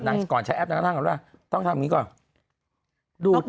นางก่อนใช้แอปนางก็เลยว่าต้องทำอย่างนี้ก่อน